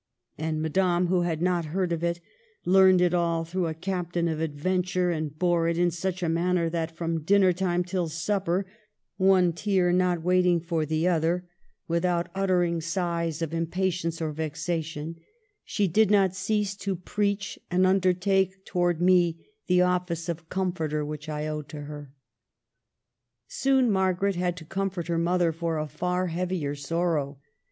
And Madame, who had not heard of it, learned it all through a captain of Adventure, and bore it in such a manner that from dinner time till supper (one 'tear not waiting for the other, without uttering 78 MARGARET OF ANGOULEME. sighs of impatience or vexation) she did not cease to preach and undertake towards me the office of com forter which I owed to her." Soon Margaret had to comfort her mother for a far heavier sorrow.